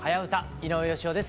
井上芳雄です。